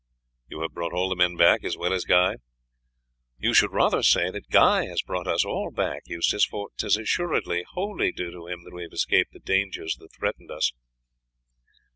"You have brought all the men back, as well as Guy?" "You should rather say that Guy has brought us all back, Eustace, for 'tis assuredly wholly due to him that we have escaped the dangers that threatened us."